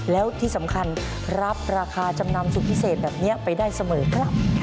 แล้วที่สำคัญรับราคาจำนำสุดพิเศษแบบนี้ไปได้เสมอครับ